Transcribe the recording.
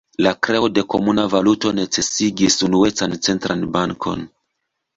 La kreo de komuna valuto necesigis unuecan centran bankon.